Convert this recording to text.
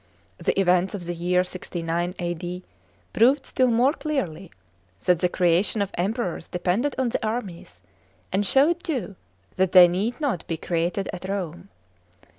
The events of the year 69 A.D. proved still more clearly that the creation of Empt rors depended on the armies, and showed, too, that they need not be created at Rome.